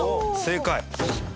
正解。